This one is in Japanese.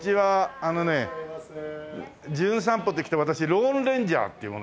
あのね『じゅん散歩』で来た私ローン・レンジャーっていう者なの。